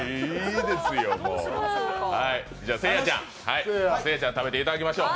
じゃあ、せいやちゃん食べていただきましょう。